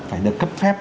phải được cấp phép